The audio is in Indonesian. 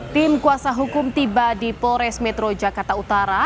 tim kuasa hukum tiba di polres metro jakarta utara